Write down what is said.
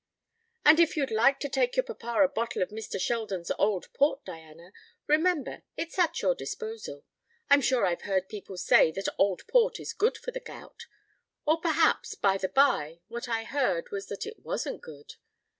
"And if you'd like to take your papa a bottle of Mr. Sheldon's old port, Diana, remember it's at your disposal. I'm sure I've heard people say that old port is good for the gout or perhaps, by the bye, what I heard was that it wasn't good.